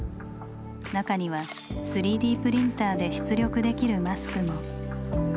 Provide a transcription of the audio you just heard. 中には３Ｄプリンターで出力できるマスクも。